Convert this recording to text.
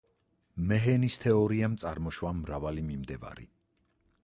მეჰენის თეორიამ წარმოშვა მრავალი მიმდევარი.